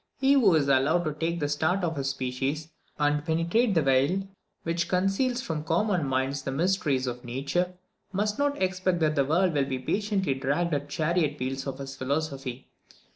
He who is allowed to take the start of his species, and to penetrate the veil which conceals from common minds the mysteries of nature, must not expect that the world will be patiently dragged at the chariot wheels of his philosophy.